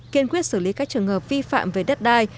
kiên quyết xử lý các trường hợp vi phạm về đất đai